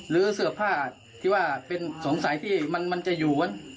หรือเสื้อผ้าที่ว่าเป็นสงสัยที่มันจะอยู่